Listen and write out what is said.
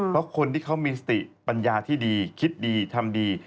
เพราะคนที่เขามีสติปัญญาที่ดีคิดดีทำดี